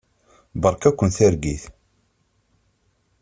Beṛka-ken targit.